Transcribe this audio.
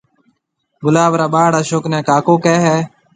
گلاب را ٻاݪ اشوڪ نيَ ڪاڪو ڪيَ ھيََََ